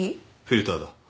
フィルターだ。